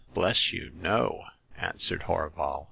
Bless you, no !" answered Horval.